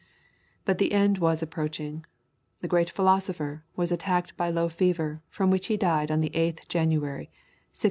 But the end was approaching the great philosopher, was attacked by low fever, from which he died on the 8th January, 1643.